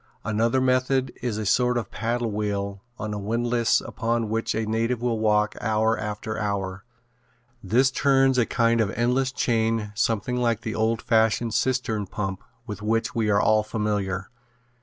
Another method is a sort of a paddle wheel on a windlass upon which a native will walk hour after hour. This turns a kind of an endless chain something like the old fashioned cistern pump with which we are all familiar.